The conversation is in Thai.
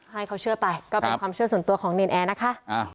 ให้เขาเชื่อไปก็เป็นความเชื่อส่วนตัวของเนรนแอร์นะคะ